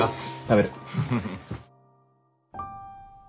食べる。